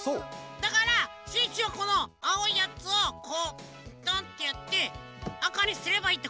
だからシュッシュはこのあおいやつをこうトンッてやってあかにすればいいってことね。